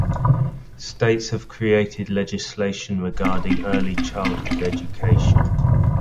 States have created legislation regarding early childhood education.